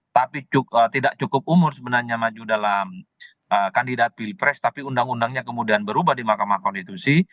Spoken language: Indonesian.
tapi tidak cukup umur sebenarnya maju dalam kandidat pilpres tapi undang undangnya kemudian berubah di mahkamah konstitusi